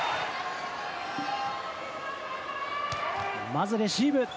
まずレシーブ。